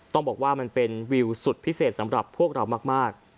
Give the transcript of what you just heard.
ต้องบอกว่ามันเป็นวิวสุดพิเศษสำหรับพวกเรามาก